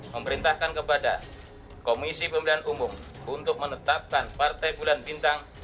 memerintahkan kepada komisi pemilihan umum untuk menetapkan partai bulan bintang